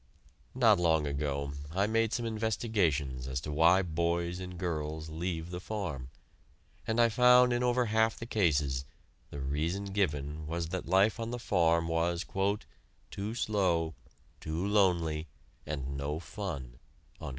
Not long ago I made some investigations as to why boys and girls leave the farm, and I found in over half the cases the reason given was that life on the farm was "too slow, too lonely, and no fun."